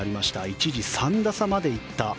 一時、３打差まで行った。